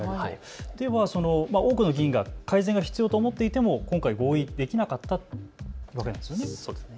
では多くの議員が改善が必要と思っていても今回、合意できなかったということですかね。